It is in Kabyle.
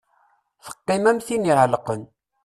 Teqqim am tin iɛelqen.